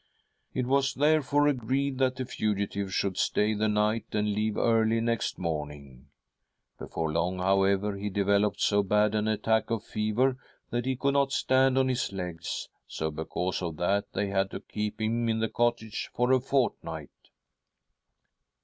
" It was therefore agreed that the fugitive should stay the night and leave early next morning. Before long, however, he developed so bad an attack of fever that he could not stand on his legs, so, because of that, they had to keep him in the cottage for a fortnight."